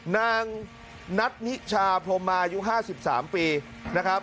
นางนัดนิชาพรมมายุ๕๓ปี